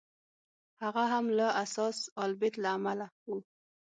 هغه هم له اثاث البیت له امله و.